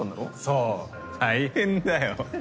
そう大変だよ。